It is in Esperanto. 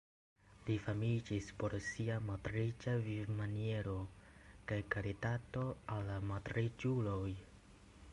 Li famiĝis pro sia malriĉa vivmaniero kaj karitato al la malriĉuloj.